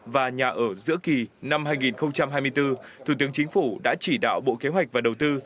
và nhà ở giữa kỳ năm hai nghìn hai mươi bốn thủ tướng chính phủ đã chỉ đạo bộ kế hoạch và đầu tư